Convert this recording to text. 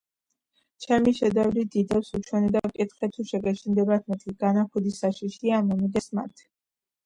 ჩემი შედევრი დიდებს ვუჩვენე და ვკითხე თუ შეგეშინდათ-მეთქი„განა ქუდი საშიშია?“ მომიგეს მათ.